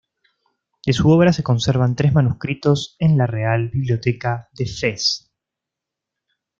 De su obra se conservan tres manuscritos en la Real Biblioteca de Fez.